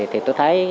tôi thấy không có gì